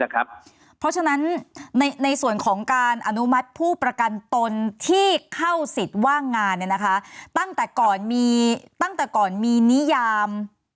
เขาก็จะมาทำงานเอาก็นับเขาก็จะนับเขาก็จะไม่นับก่อนหยุดครับ